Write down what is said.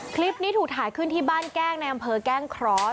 คลิปนี้ถูกถ่ายขึ้นที่บ้านแก้งในอำเภอแก้งเคราะห์